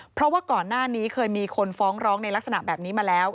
เพราะว่าก่อนหน้านี้เคยมีคนฟ้องร้องในลักษณะแบบนี้มาแล้ว